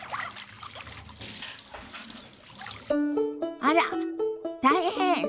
あら大変！